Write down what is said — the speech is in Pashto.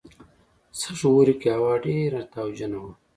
سږ اوړي کې هوا ډېره تاوجنه وه.